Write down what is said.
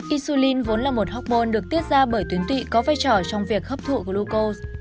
isulin vốn là một học môn được tiết ra bởi tuyến tụy có vai trò trong việc hấp thụ gluco